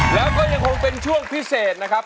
แล้วก็ยังคงเป็นช่วงพิเศษนะครับ